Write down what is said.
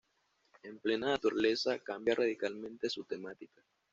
En plena naturaleza cambia radicalmente su temática.